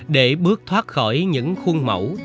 để bước thoát khỏi những khuôn mẫu